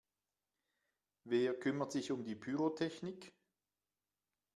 Wer kümmert sich um die Pyrotechnik?